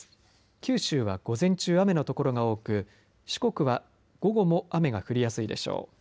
九州は午前中、雨の所が多く四国は午後も雨が降りやすいでしょう。